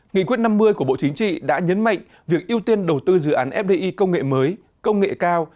nghị quyết năm mươi của bộ chính trị đã nhấn mạnh việc ưu tiên đầu tư dự án fdi công nghệ mới công nghệ cao